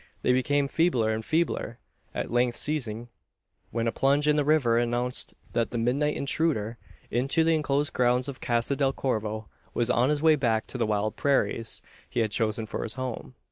They became feebler and feebler at length ceasing when a plunge in the river announced that the midnight intruder into the enclosed grounds of Casa del Corvo was on his way back to the wild prairies he had chosen for his home.